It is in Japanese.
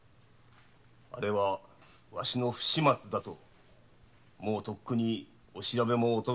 あれはわしの不始末だともうとっくにお調べもお咎めも済んでおる。